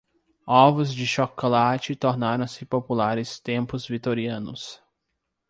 Ovos de chocolate tornaram-se populares tempos vitorianos.